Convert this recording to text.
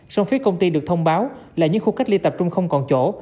song phía công ty được thông báo là những khu cách ly tập trung không còn chỗ